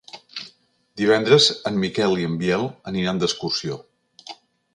Divendres en Miquel i en Biel aniran d'excursió.